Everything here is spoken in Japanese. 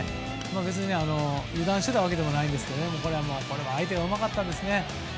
別に、油断していたわけでもないんですがね。これも相手がうまかったですね。